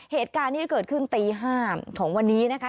เหตุการณ์นี้เกิดขึ้นตี๕ของวันนี้นะคะ